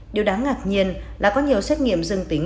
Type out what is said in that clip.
điều đáng ngạc nhiên là có nhiều xét nghiệm dương tính